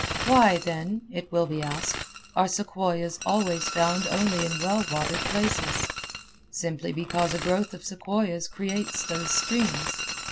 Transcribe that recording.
"Why, then," it will be asked, "are sequoias always found only in well watered places?" Simply because a growth of sequoias creates those streams.